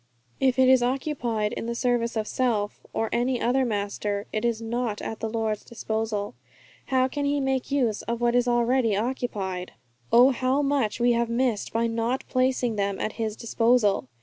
If it is occupied in the service of self, or any other master, it is not at the Lord's disposal; He cannot make use of what is already occupied. Oh, how much we have missed by not placing them at his disposal!